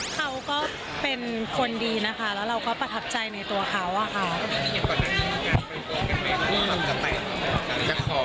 เขาก็เป็นคนดีนะคะแล้วเราก็ประทับใจในตัวเขาอะค่ะ